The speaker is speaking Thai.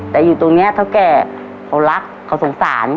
แต่อยู่ตรงนี้เท่าแก่เขารักเขาสงสาร